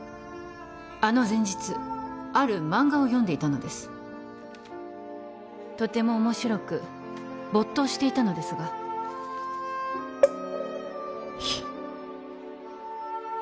あの前日ある漫画を読んでいたのですとても面白く没頭していたのですがヒッ！